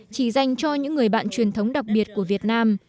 chỉ dành cho những người bạn truyền thống đặc biệt của việt nam